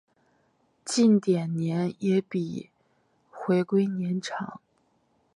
近点年也比回归年长。